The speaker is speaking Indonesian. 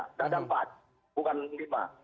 tidak ada empat bukan lima